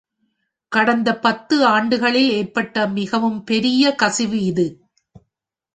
கடந்த பத்து ஆண்டுகளில் ஏற்பட்ட மிகவும் பெரிய கசிவு இது.